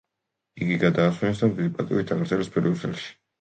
იგი გადაასვენეს და დიდი პატივით დაკრძალეს ბრიუსელში.